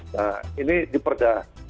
nah ini diperda